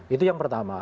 itu yang pertama